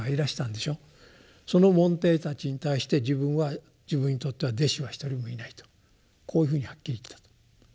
その門弟たちに対して自分は自分にとっては弟子は一人もいないとこういうふうにはっきり言ったと。